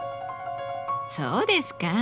そうですか？